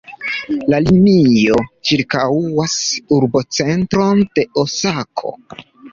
La linio ĉirkaŭas urbocentron de Osako.